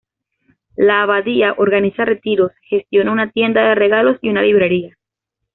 La abadía organiza retiros, gestiona una tienda de regalos y una librería.